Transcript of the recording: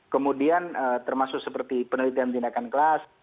kemudian termasuk seperti penelitian tindakan kelas